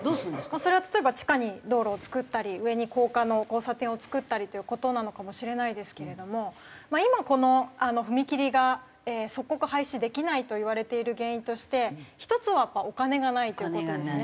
それは例えば地下に道路を造ったり上に高架の交差点を造ったりという事なのかもしれないですけれども今この踏切が即刻廃止できないといわれている原因として１つはお金がないという事ですね。